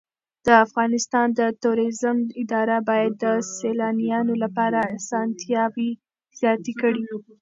د افغانستان د توریزم اداره باید د سېلانیانو لپاره اسانتیاوې زیاتې کړي.